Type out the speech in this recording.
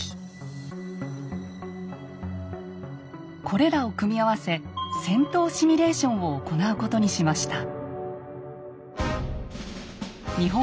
これらを組み合わせ戦闘シミュレーションを行うことにしました。